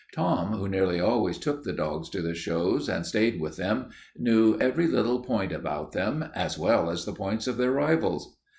Tom, who nearly always took the dogs to the shows and stayed with them, knew every little point about them as well as the points of their rivals.